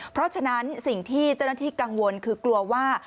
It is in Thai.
เพราะฉะนั้นสิ่งที่เจ้าหน้าที่กังวลคือกลัวว่า